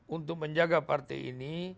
untuk menjaga partai ini